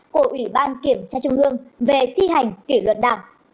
của ubnd về thi hành kỷ luật đảng